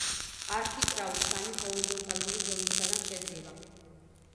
არქიტრავი სამი ჰორიზონტალური ზოლისაგან შედგება.